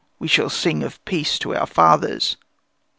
We will sing of peace to our fathers."